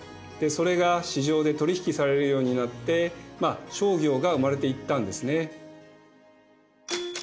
それが市場で取引されるようになってまあ商業が生まれていったんですね。